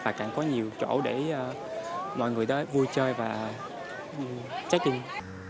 và càng có nhiều chỗ để mọi người tới vui chơi và chơi kinh